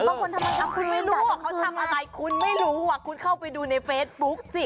คุณไม่รู้ว่าเขาทำอะไรคุณไม่รู้คุณเข้าไปดูในเฟซบุ๊กสิ